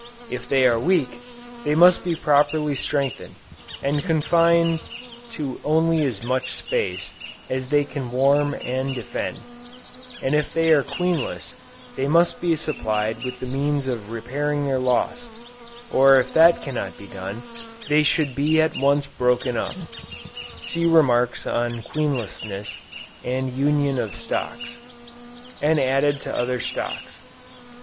If they are weak, they must be properly strengthened, and confined to only as much space as they can warm and defend: and if they are queenless, they must be supplied with the means of repairing their loss, or if that cannot be done, they should be at once broken up, (See Remarks on Queenlessness, and Union of Stocks,) and added to other stocks.